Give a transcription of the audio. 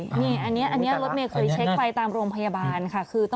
นี่อันนี้รถเมย์เคยเช็คไปตามโรงพยาบาลค่ะ